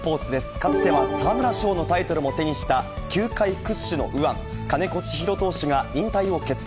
かつては沢村賞のタイトルも手にした球界屈指の右腕、金子千尋投手が引退を決断。